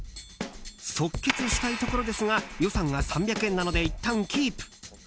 即決したいところですが予算が３００円なのでいったんキープ。